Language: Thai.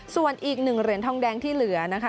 ส่วนอีก๑เหรียญทองแดงที่เหลือนะคะ